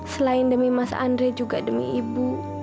selain demi mas andre juga demi ibu